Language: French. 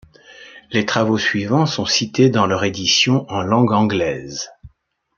Les travaux suivants sont cités dans leur édition en langue anglaise.